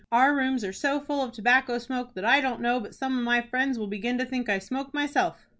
"Our rooms are so full of tobacco smoke, that I don't know but some of my friends will begin to think I smoke myself."